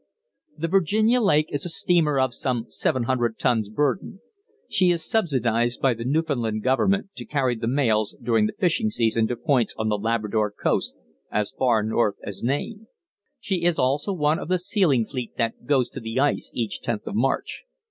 The Virginia Lake is a steamer of some seven hundred tons burden. She is subsidised by the Newfoundland Government to carry the mails during the fishing season to points on the Labrador coast as far north as Nain. She is also one of the sealing fleet that goes to "the ice" each tenth of March.